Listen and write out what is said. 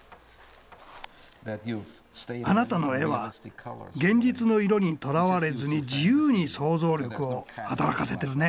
あなたの絵は現実の色にとらわれずに自由に想像力を働かせてるね。